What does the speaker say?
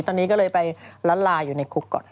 ตอนนี้ก็เลยไปละลายอยู่ในคุกก่อน